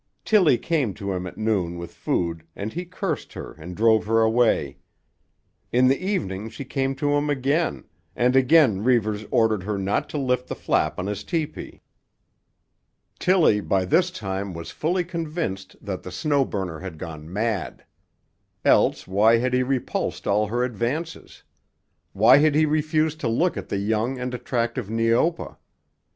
Tillie came to him at noon with food and he cursed her and drove her away. In the evening she came to him again, and again Reivers ordered her not to lift the flap on his tepee. Tillie by this time was fully convinced that the Snow Burner had gone mad. Else why had he repulsed all her advances? Why had he refused to look at the young and attractive Neopa?